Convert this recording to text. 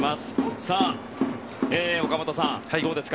岡本さん、どうですか？